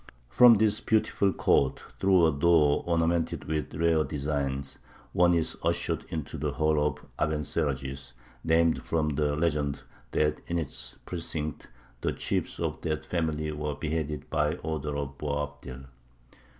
From this beautiful court, through a door ornamented with rare designs, one is ushered into the Hall of the Abencerrages, named from the legend that in its precincts the chiefs of that family were beheaded by order of Boabdil.